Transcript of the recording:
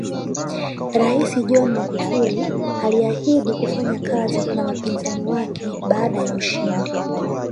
Rais John Magufuli aliahidi kufanya kazi na wapinzani wake baada ya ushindi